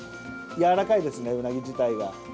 やわらかいですね、ウナギ自体が。